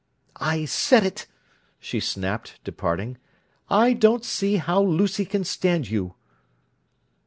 "I said it!" she snapped, departing. "I don't see how Lucy can stand you!"